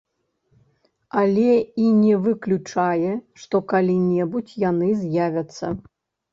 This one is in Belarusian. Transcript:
Але і не выключае, што калі-небудзь яны з'явяцца.